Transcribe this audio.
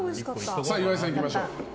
岩井さん、いきましょう。